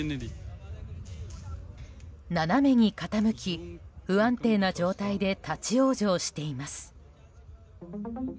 斜めに傾き、不安定な状態で立ち往生しています。